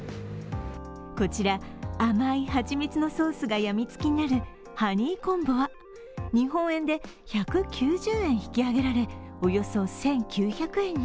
こちら、甘い蜂蜜のソースが病みつきになるハニーコンボは日本円で１９０円引き上げられおよそ１９００円に。